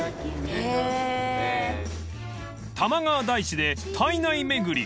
［玉川大師で胎内めぐり。